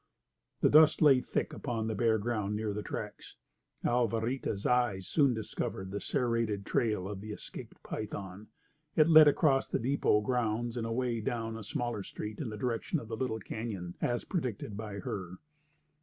The dust lay thick upon the bare ground near the tracks. Alvarita's eye soon discovered the serrated trail of the escaped python. It led across the depot grounds and away down a smaller street in the direction of the little cañon, as predicted by her.